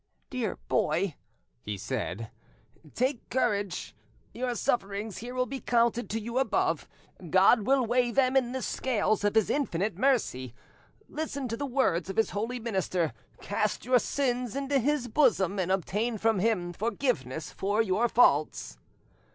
"Dear boy," he said, "take courage; your sufferings here will be counted to you above: God will weigh ahem in the scales of His infinite mercy. Listen to the words of His holy minister, cast your sins into His bosom, and obtain from Him forgiveness for your faults."